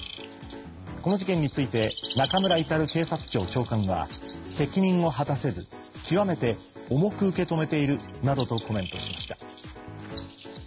この事件について中村格警察庁長官は責任を果たせず極めて重く受け止めているなどとコメントしました。